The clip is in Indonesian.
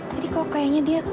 tadi kok kayaknya dia